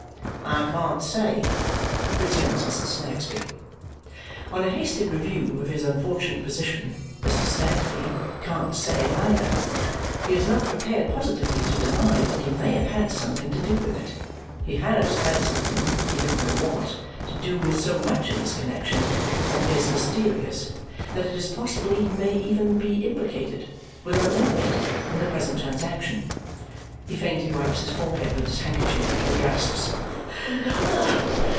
"I can't say," returns Mrs. Snagsby. On a hasty review of his unfortunate position, Mr. Snagsby "can't say" either. He is not prepared positively to deny that he may have had something to do with it. He has had something he don't know what to do with so much in this connexion that is mysterious that it is possible he may even be implicated, without knowing it, in the present transaction. He faintly wipes his forehead with his handkerchief and gasps.